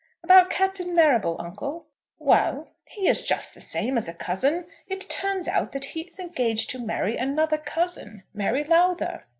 "About Captain Marrable, uncle?" "Well, he is just the same as a cousin; it turns out that he is engaged to marry another cousin, Mary Lowther."